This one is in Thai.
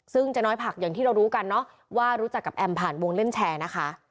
ซึ่งเจ๊น้อยผักอย่างที่เรารู้กันเนอะว่ารู้จักกับแอมผ่านวงเล่นแชร์นะคะ